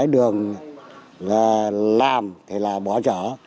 đường là làm thì là bỏ chỏ